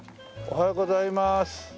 おはようございます。